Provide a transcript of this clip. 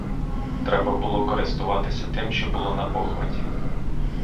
Треба було користуватися тим, що було напохваті.